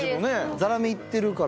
ザラメいってるから。